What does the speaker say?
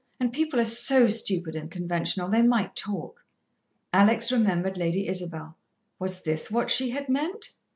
and people are so stupid and conventional, they might talk." Alex remembered Lady Isabel. Was this what she had meant?